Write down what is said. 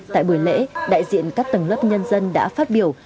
tại buổi lễ đại diện các tầng lớp nhân dân đã phát biểu